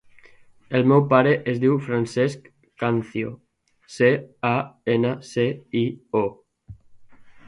El meu pare es diu Francesc Cancio: ce, a, ena, ce, i, o.